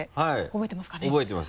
覚えてますはい。